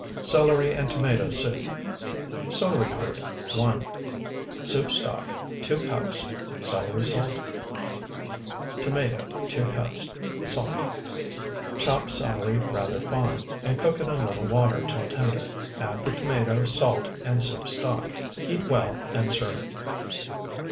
CELERY AND TOMATO SOUP Celery heart, 1. Soup stock, 2 cups. Celery salt. Tomato, 2 cups. Salt. Chop celery rather fine, and cook in a little water till tender; add the tomato, salt, and soup stock; heat well, and serve.